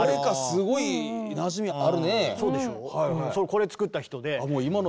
これ作った人で。